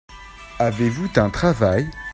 Avez-vous un travail ?